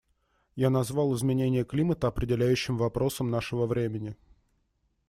Я назвал изменение климата определяющим вопросом нашего времени.